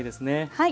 はい。